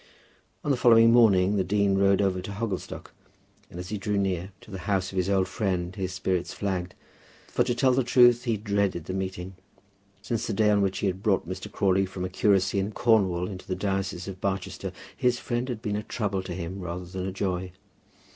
On the following morning the dean rode over to Hogglestock, and as he drew near to the house of his old friend, his spirits flagged, for to tell the truth, he dreaded the meeting. Since the day on which he had brought Mr. Crawley from a curacy in Cornwall into the diocese of Barchester, his friend had been a trouble to him rather than a joy.